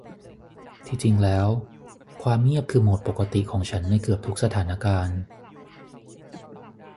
ที่จริงแล้ว ความเงียบคือโหมดปกติของฉันในเกือบทุกสถานการณ์